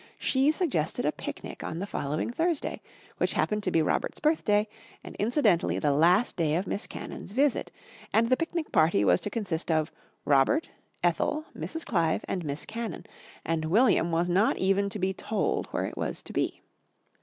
She suggested a picnic on the following Thursday, which happened to be Robert's birthday and incidentally the last day of Miss Cannon's visit, and the picnic party was to consist of Robert, Ethel, Mrs. Clive and Miss Cannon, and William was not even to be told where it was to be.